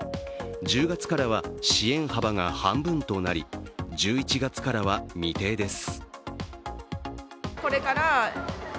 １０月からは支援幅が半分となり１１月からは未定です。